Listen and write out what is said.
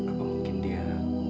apa mungkin dia